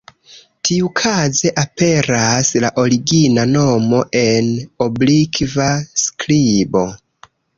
Tiukaze aperas la origina nomo en oblikva skribo.